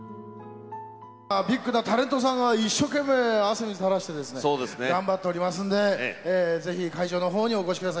ビッグなタレントさんが一生懸命、汗水たらして頑張っておりますんで、ぜひ会場の方にお越しください。